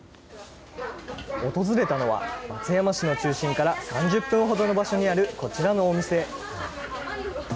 訪れたのは、松山市の中心から３０分ほどの場所にあるこちらのお店。